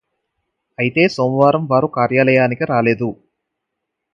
అయితే సోమవారం వారు కార్యలయానికి రాలేదు